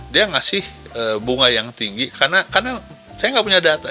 dia ngasih bunga yang tinggi karena saya nggak punya data